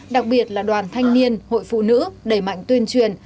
đặc biệt là đoàn thanh niên hội phụ nữ đẩy mạnh tuyên truyền